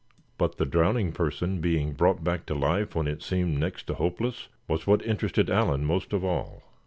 But the drowning person being brought back to life when it seemed next to hopeless was what interested Allan most of all.